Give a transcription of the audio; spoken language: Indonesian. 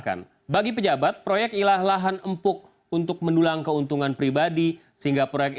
dan melibatkan nama nama yang juga besar